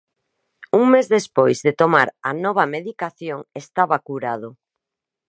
Un mes despois de tomar a nova medicación estaba curado.